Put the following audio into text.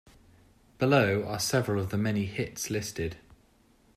Below are several of their many hits listed.